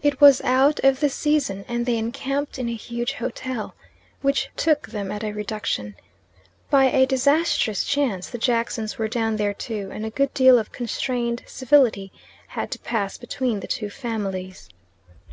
It was out of the season, and they encamped in a huge hotel, which took them at a reduction. By a disastrous chance the Jacksons were down there too, and a good deal of constrained civility had to pass between the two families.